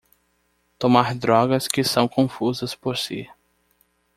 Tomar drogas que são confusas por si